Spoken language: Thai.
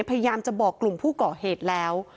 พยายามจะบอกกลุ่มผู้ก่อเหตุแล้ว